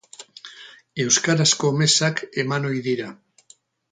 Euskarazko mezak eman ohi dira.